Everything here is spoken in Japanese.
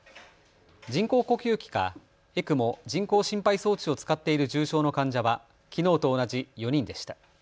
人工呼吸器かＥＣＭＯ・人工心肺装置を使っている重症の患者はきのうと同じ４人でした。